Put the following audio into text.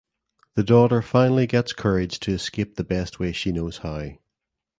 The daughter finally gets courage to escape the best way she knows how.